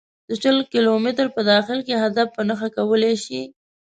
د شل کیلو مترو په داخل کې هدف په نښه کولای شي